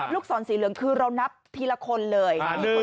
ลูกศรสีเหลืองคือเรานับทีละคนเลย